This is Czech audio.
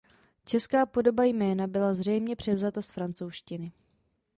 Česká podoba jména byla zřejmě převzata z francouzštiny.